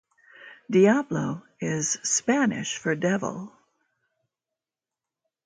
"Diablo" is Spanish for devil.